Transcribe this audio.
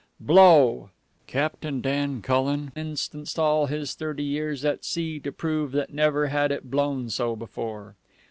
Blow! Captain Dan Cullen instanced all his thirty years at sea to prove that never had it blown so before.